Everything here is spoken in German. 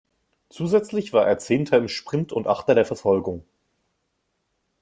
Zusätzlich war er Zehnter im Sprint und Achter der Verfolgung.